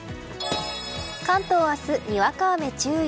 関東明日、にわか雨注意。